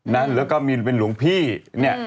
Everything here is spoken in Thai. แล้วก็มีเป็นหลวงพี่